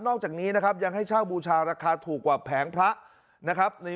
อกจากนี้นะครับยังให้เช่าบูชาราคาถูกกว่าแผงพระนะครับ